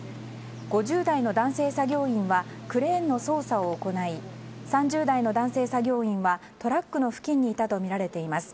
５０代の男性作業員はクレーンの操作を行い３０代の男性作業員はトラックの付近にいたとみられています。